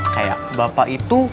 kayak bapak itu